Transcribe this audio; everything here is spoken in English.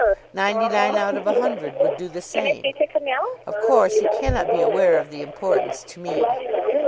Ninety nine out of a hundred would do the same. Of course, he cannot be aware of the importance to me.